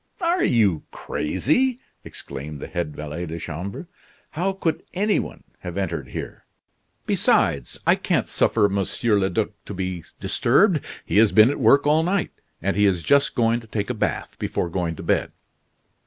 "Are you crazy?" exclaimed the head valet de chambre. "How could any one have entered here? Besides, I can't suffer Monsieur le Duc to be disturbed. He has been at work all night, and he is just going to take a bath before going to bed."